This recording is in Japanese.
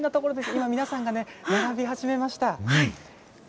今、皆さんが並び始めました。